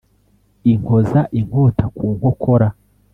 inkoza inkota ku nkokora